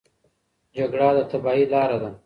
جګړه د تباهۍ لاره ده.